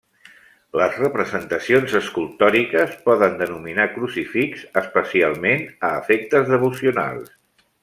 Les representacions escultòriques poden denominar crucifix, especialment a efectes devocionals.